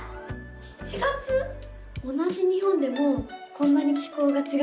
同じ日本でもこんなに気候がちがうんだな。